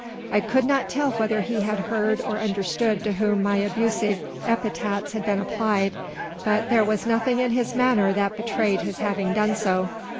I could not tell whether he had heard or understood to whom my abusive epithets had been applied; but there was nothing in his manner that betrayed his having done so.